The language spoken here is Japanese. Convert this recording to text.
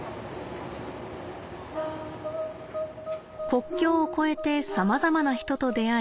国境を越えてさまざまな人と出会い